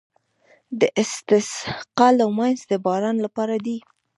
د استسقا لمونځ د باران لپاره دی.